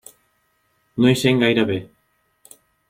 No hi sent gaire bé.